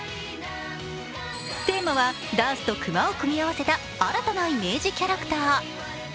テーマは、ダースとクマを組み合わせた新たなイメージキャラクター。